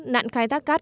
nạn khai thác cát